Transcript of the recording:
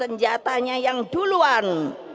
pertanyaan perkataannya yang duluan